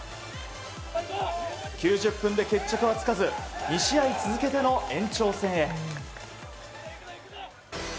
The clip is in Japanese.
９０分で決着はつかず２試合続けての延長戦へ。